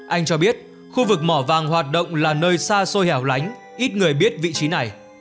anh cho biết khu vực mỏ vàng hoạt động là nơi xa xôi hẻo lánh ít người biết vị trí này